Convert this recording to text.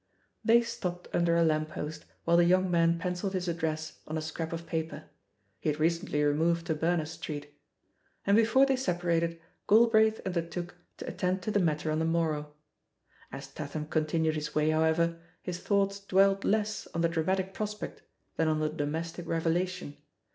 '* They stopped imder a lamp post while the young man pencilled his address on a scrap of paper — ^he had recently removed to Bemers Street; and before they separated, Galbraith undertook to attend to the matter on the morrow. As Tatham continued his way, however, his thoughts dwelt less on the dramatic prospect than on the domestic revelation.